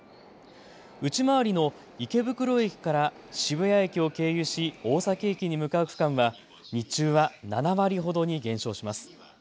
内回りの池袋駅から渋谷駅を経由し大崎駅に向かう区間は日中は７割ほどに減少します。